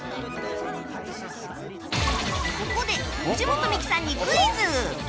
ここで藤本美貴さんにクイズ！